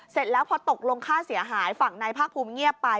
เสร็จแล้วพอตกลงค่าเสียหายฝั่งนายภาคภูมิเงียบไป